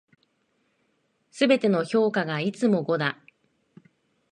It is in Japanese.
全ての評価がいつも五だ。